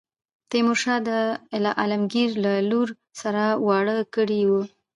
تیمور شاه عالمګیر له لور سره واړه کړی وو.